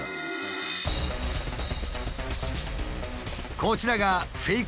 こちらがフェイク